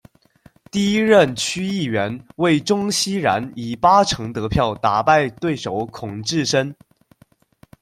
第一任区议员为钟熙然以八成得票打败对手孔志深。